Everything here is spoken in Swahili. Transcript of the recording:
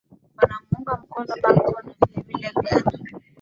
wanamuunga mkono bagbo na vile vile ghana